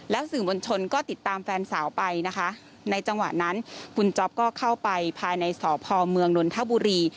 สื่อมวลชนก็ติดตามแฟนสาวไปนะคะในจังหวะนั้นคุณจ๊อปก็เข้าไปภายในสพเมืองนนทบุรี